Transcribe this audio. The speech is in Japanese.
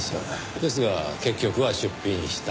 ですが結局は出品した。